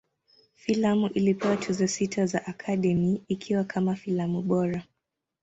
Filamu ilipewa Tuzo sita za Academy, ikiwa kama filamu bora.